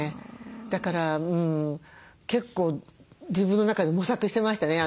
だから結構自分の中で模索してましたね。